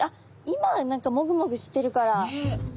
今何かもぐもぐしてるから。